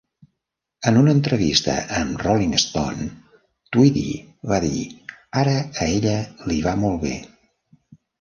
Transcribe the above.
En una entrevista amb Rolling Stone, Tweedy va dir "ara a ella li va molt bé.